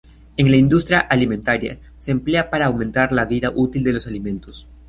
En la industria alimentaria se emplea para aumentar la vida útil de los alimentos.